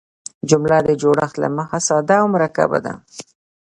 جمله د جوړښت له مخه ساده او مرکبه ده.